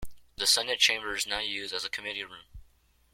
The Senate chamber is now used as a committee room.